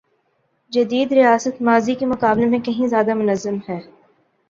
جدید ریاست ماضی کے مقابلے میں کہیں زیادہ منظم ہے۔